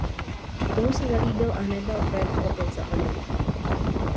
Tomu se zalíbil a hned dal projektu opět zelenou.